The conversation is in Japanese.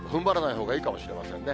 ほうがいいかもしれませんね。